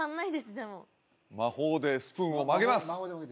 でも魔法でスプーンを曲げます！